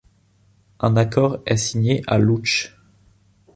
Un accord est signé à Loutch.